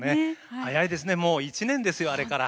早いですね１年ですよあれから。